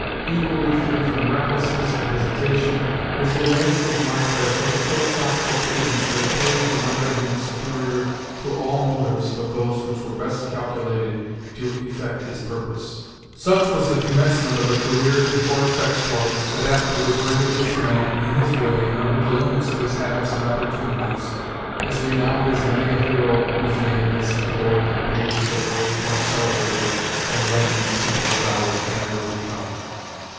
Equally free from recklessness and hesitation, his advance was marked by a sort of philosophical prudence that appeared to render him superior to all motives but those which were best calculated to effect his purpose. Such was the commencement of a career in forest exploits, that afterwards rendered this man, in his way, and under the limits of his habits and opportunities, as renowned as many a hero whose name has adorned the pages of works more celebrated than legends simple as ours can ever become.